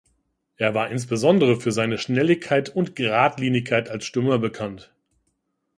Er war insbesondere für seine Schnelligkeit und Geradlinigkeit als Stürmer bekannt.